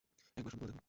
একবার শুধু বলে দেখো।